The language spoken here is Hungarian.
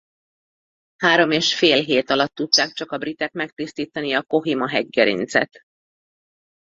Három és fél hét alatt tudták csak a britek megtisztítani a Kohima-hegygerincet.